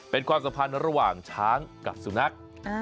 เป็นความสัมพันธ์ระหว่างช้างกับสุนัข